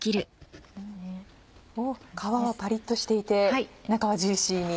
おぉ皮はパリっとしていて中はジューシーに。